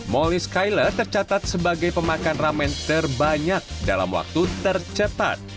molly skyle tercatat sebagai pemakan ramen terbanyak dalam waktu tercepat